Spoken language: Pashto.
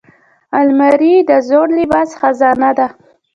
الماري د زوړ لباس خزانه ده